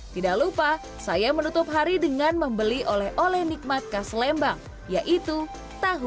tidak lupa saya menutup hari dengan membeli oleh oleh nikmat khas lembang yaitu tahu